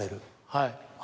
はい。